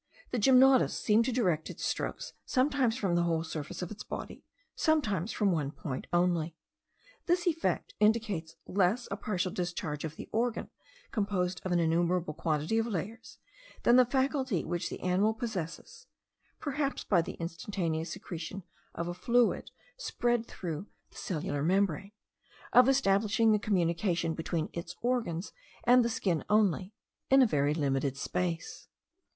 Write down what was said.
The gymnotus seemed to direct its strokes sometimes from the whole surface of its body, sometimes from one point only. This effect indicates less a partial discharge of the organ composed of an innumerable quantity of layers, than the faculty which the animal possesses, (perhaps by the instantaneous secretion of a fluid spread through the cellular membrane,) of establishing the communication between its organs and the skin only, in a very limited space.